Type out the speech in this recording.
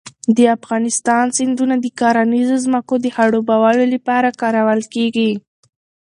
د افغانستان سیندونه د کرنیزو ځمکو د خړوبولو لپاره کارول کېږي.